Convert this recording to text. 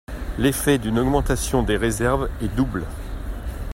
L'effet d'une augmentation des réserves est double.